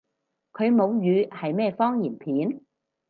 佢母語係咩方言片？